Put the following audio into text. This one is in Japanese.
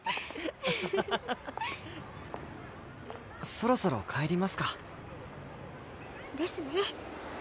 そろそろ帰りますか。ですね。